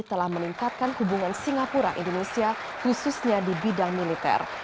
telah meningkatkan hubungan singapura indonesia khususnya di bidang militer